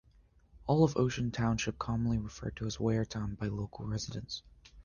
All of Ocean Township is commonly referred to as "Waretown" by local residents.